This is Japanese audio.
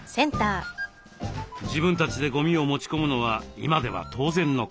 自分たちでゴミを持ち込むのは今では当然のこと。